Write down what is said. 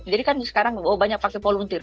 jadi kan sekarang banyak pakai volunteer